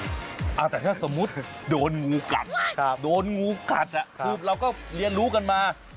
แต่ถ้าสมมุติโดนงูกัดโดนงูกัดคือเราก็เรียนรู้กันมา